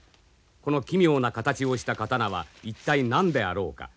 この奇妙な形をした刀は一体何であろうか。